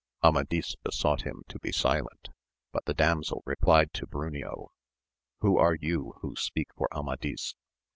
Amadis besought him to be silent, but the damsel replied to Bruneo, Who are you who speak for Amadis